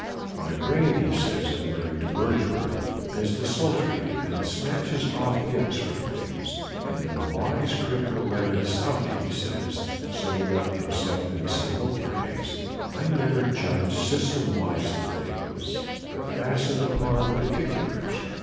'My brain,' he says, in a letter to Wordsworth, 'is desultory, and snatches off hints from things.' And, in a wise critical letter to Southey, he says, summing up himself in a single phrase: 'I never judge system wise of things, but fasten upon particulars.'